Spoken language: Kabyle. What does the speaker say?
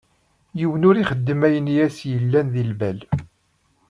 Yiwen, ur ixeddem ayen i as-yellan di lbal.